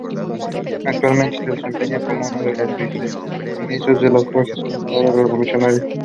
Actualmente se desempeña como uno de los Viceministros de las Fuerzas Armadas Revolucionarias.